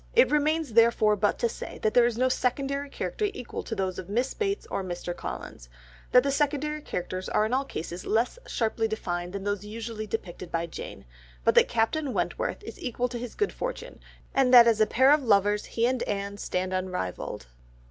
It remains therefore but to say that there is no secondary character to equal those of Miss Bates or Mr. Collins, that the secondary characters are in all cases less sharply defined than those usually depicted by Jane, but that Captain Wentworth is equal to his good fortune, and that as a pair of lovers he and Anne stand unrivalled.